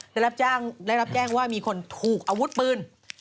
ได้รับแจ้งว่ามีคนถูกอาวุธปืน